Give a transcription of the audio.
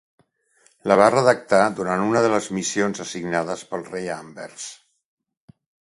La va redactar durant una de les missions assignades pel rei a Anvers.